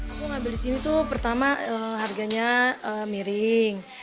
aku ngambil disini tuh pertama harganya miring